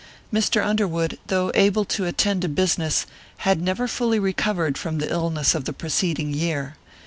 Mr. Underwood, though able to attend to business, had never fully recovered from the illness of the preceding year.